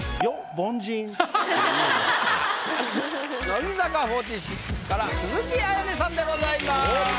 乃木坂４６から鈴木絢音さんでございます。